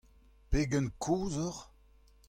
Pegen kozh oc'h ?